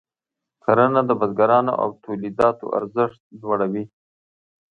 کرنه د بزګرانو د تولیداتو ارزښت لوړوي.